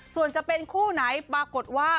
ส่วนจะเป็นคู่ไหนปรากฏว่า